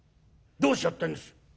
「どうしようってんです？」。